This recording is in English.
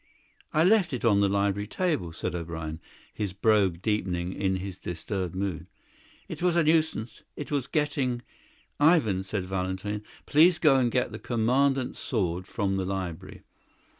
"I left it on the library table," said O'Brien, his brogue deepening in his disturbed mood. "It was a nuisance, it was getting " "Ivan," said Valentin, "please go and get the Commandant's sword from the library."